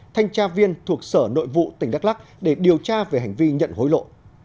thanh tra viên thuộc sở nội vụ tỉnh đắk lắc để điều tra về hành vi nhận hối lộ